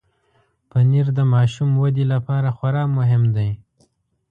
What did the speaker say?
پنېر د ماشوم ودې لپاره خورا مهم دی.